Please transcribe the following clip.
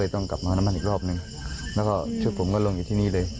ต้องกลับมาน้ำมันอีกรอบหนึ่งแล้วก็ชุดผมก็ลงอยู่ที่นี่เลย